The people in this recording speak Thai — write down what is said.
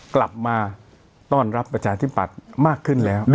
กลับมาต้อนรับประชาธิปัตย์มากขึ้นแล้ว